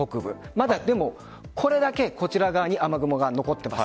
まだこれだけこちら側に雨雲が残っています。